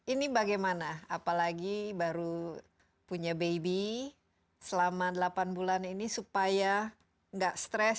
ini bagaimana apalagi baru punya baby selama delapan bulan ini supaya nggak stres